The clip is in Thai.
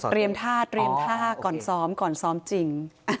ท่าเตรียมท่าก่อนซ้อมก่อนซ้อมจริง